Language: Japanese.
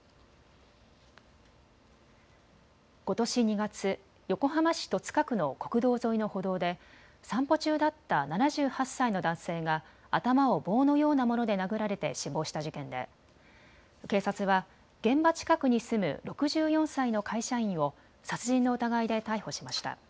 ことし２月、横浜市戸塚区の国道沿いの歩道で散歩中だった７８歳の男性が頭を棒のようなもので殴られて死亡した事件で警察は現場近くに住む６４歳の会社員を殺人の疑いで逮捕しました。